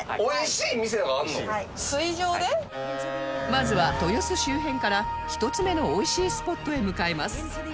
まずは豊洲周辺から１つ目の美味しいスポットへ向かいます